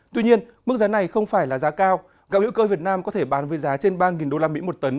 tuy nhiên mức giá này không phải là giá cao gạo hữu cơ việt nam có thể bán với giá trên ba usd một tấn